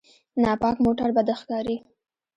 ناپاک موټر بد ښکاري.